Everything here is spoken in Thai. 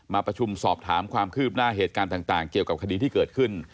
ประชุมสอบถามความคืบหน้าเหตุการณ์ต่างเกี่ยวกับคดีที่เกิดขึ้น